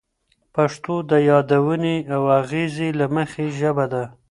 پښتو د یادونې او اغیزې له مخې ژبه ده.